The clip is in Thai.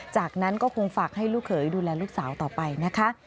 จากนั้นก็คงฝากให้ลูกเขยดูแลลูกสาวต่อไปนะคะ